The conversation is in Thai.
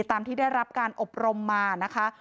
ตามที่ได้รับการอบรมมานะคะ